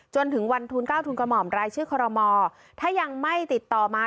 จนถึงวันทูล๙ทุนกระห่อมรายชื่อคอรมอถ้ายังไม่ติดต่อมา